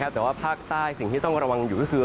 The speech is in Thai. แต่ว่าภาคใต้สิ่งที่ต้องระวังอยู่ก็คือ